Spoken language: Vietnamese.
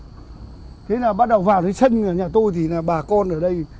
thế là bắt đầu vào với sân nhà tôi thì là bà con ở đây